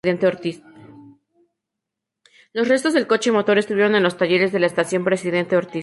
Los restos del coche motor estuvieron en los talleres de la estación Presidente Ortiz.